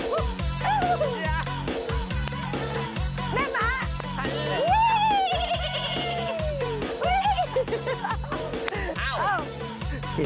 วิเคราะห์